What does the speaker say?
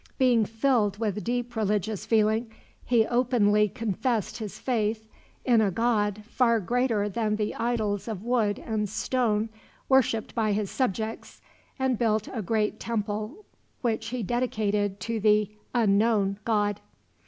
Being filled with deep religious feeling, he openly confessed his faith in a God far greater than the idols of wood and stone worshiped by his subjects, and built a great temple which he dedicated to the Unknown God.